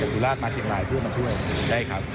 สุราชมาเชียงหลายเพื่อมาช่วย